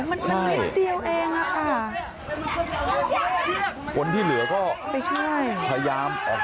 มันนั่งนิดเดียวเองนะคะคนที่เหลือก็พยายามออกไป